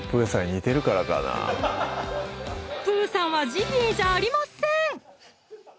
プーさんはジビエじゃありません！